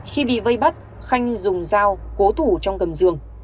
khi bị vây bắt khanh dùng dao cố thủ trong cầm giường